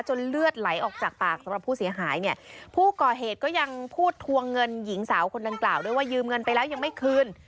เลือดไหลออกจากปากสำหรับผู้เสียหายเนี่ยผู้ก่อเหตุก็ยังพูดทวงเงินหญิงสาวคนดังกล่าวด้วยว่ายืมเงินไปแล้วยังไม่คืน